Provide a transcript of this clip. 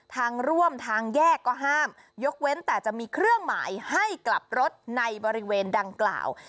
ทางร่วมทางแยกก็ห้ามยกเว้นแต่จะมีเครื่องหมายให้กลับรถในบริเวณดังกล่าว